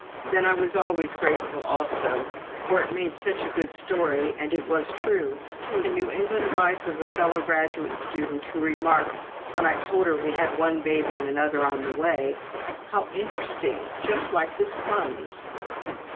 Then I was always grateful also for it made such a good story, and it was true to the New England wife of a fellow graduate student who remarked, when I told her we had one baby and another on the way, "How interesting just like the slums!"